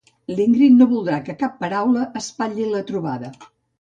L'Ingrid no voldrà que cap paraula espatlli la trobada.